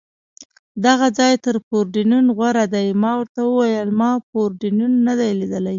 دغه ځای تر پورډېنون غوره دی، ما ورته وویل: ما پورډېنون نه دی لیدلی.